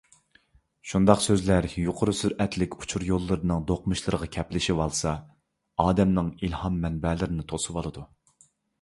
شۇنداق سۆزلەر يۇقىرى سۈرئەتلىك ئۇچۇر يوللىرىنىڭ دۇقمۇشلىرىغا كەپلىشىۋالسا، ئادەمنىڭ ئىلھام مەنبەلىرىنى توسۇۋالىدۇ.